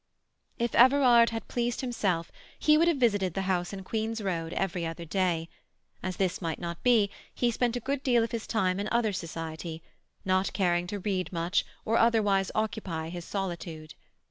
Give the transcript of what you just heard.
If Everard had pleased himself he would have visited the house in Queen's Road every other day. As this might not be, he spent a good deal of his time in other society, not caring to read much, or otherwise occupy his solitude.